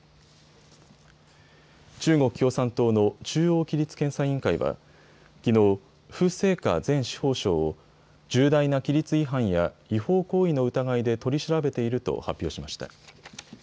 中国共産党の中央規律検査委員会はきのう、傅政華前司法相を重大な規律違反や違法行為の疑いで取り調べていると発表しました。